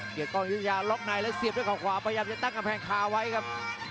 เกียรติกล้องอยุธิาล็อกไนด์แล้วเสียบด้วยข่าวขวาพยายามจะตั้งกับแข่งขาวไว้ครับ